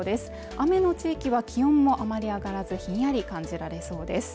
雨の地域は気温もあまり上がらずひんやり感じられそうです。